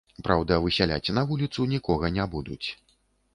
Праўда, высяляць на вуліцу нікога не будуць.